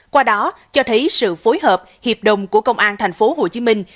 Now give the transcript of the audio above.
qua đó cho thấy sự phối hợp hiệp đồng của công an thành phố hồ chí minh